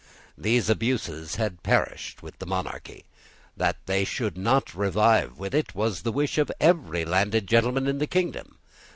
These abuses had perished with the monarchy. That they should not revive with it was the wish of every landed gentleman in the kingdom.